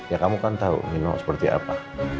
ya kamu kan tau nino seperti apa